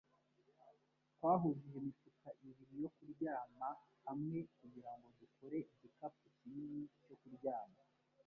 Twahujije imifuka ibiri yo kuryama hamwe kugirango dukore igikapu kinini cyo kuryama